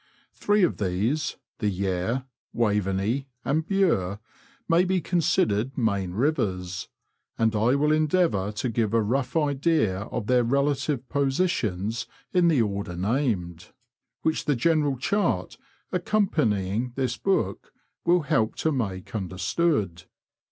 Three of these — the Yare, Waveney, and Bure — may be considered main rivers, and I will endeavour to give a rough idea of their relative positions in the order named, whicli the general chart accompanying this book will help to make under stood.